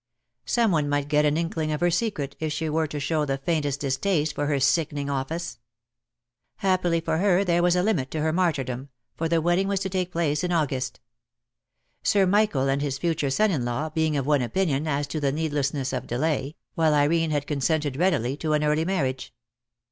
Someone might get an inkhng of her secret, if she were to show the faintest distaste for her sickening office. Happily for her there was a hmit to her martyrdom, for the wedding was to take place in August; Sir Michael and his future son in law being of one opinion as to the needless ness of delay, while Irene had consented readily to an early marriage.